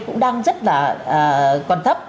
cũng đang rất là còn thấp